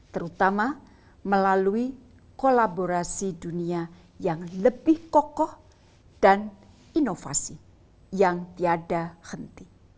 terutama melalui kolaborasi dunia yang lebih kokoh dan inovasi yang tiada henti